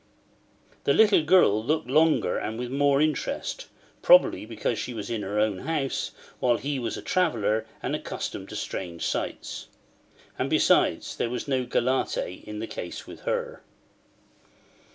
The little girl looked longer and with more interest, probably because she was in her own house, while he was a traveller and accustomed to strange sights. And besides there was no galette in the case with her.